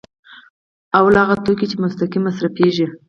لومړی هغه توکي دي چې مستقیم مصرفیږي.